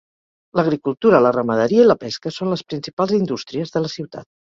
L'agricultura, la ramaderia i la pesca són les principals indústries de la ciutat.